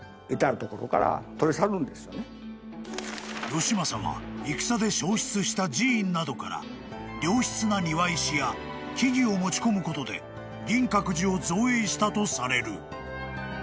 ［義政は戦で焼失した寺院などから良質な庭石や木々を持ち込むことで銀閣寺を造営したとされる］